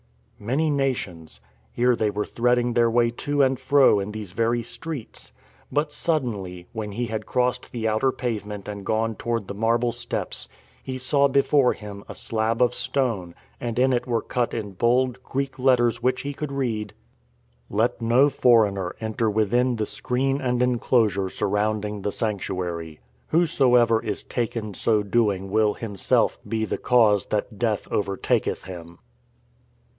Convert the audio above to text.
"Many nations ..." Here they were threading their way to and fro in these very streets. But sud denly, when he had crossed the outer pavement and gone toward the marble steps, he saw before him a slab of stone and in it were cut in bold Greek letters which he could read, LET NO FOREIGNER ENTER WITHIN THE SCREEN AND ENCLOSURE SUR ROUNDING THE SANCTUARY. WHOSO EVER IS TAKEN SO DOING WILL HIM SELF BE THE CAUSE THAT DEATH OVERTAKETH HIM.